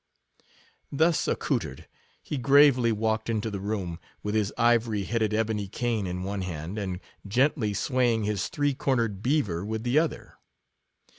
Thus accoutred, he gravely walked into the room, with his ivory headed ebony cane in one hand, and gently swaying his three cornered beaver with the other.